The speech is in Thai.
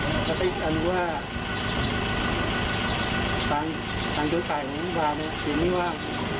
และอีกอันว่าต่างโดยกายของเขาไม่มีว่า